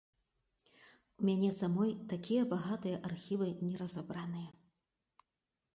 У мяне самой такія багатыя архівы неразабраныя.